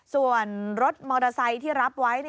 ส่วนรถมอเตอร์ไซค์ที่รับไว้